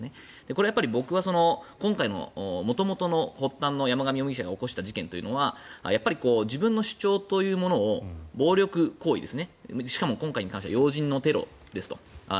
これは僕は、今回の元々の発端の山上容疑者が起こした事件というのは自分の主張というものを暴力行為しかも今回に関しては要人のテロですね。